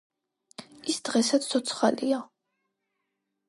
ის დღესაც ცოცხალია.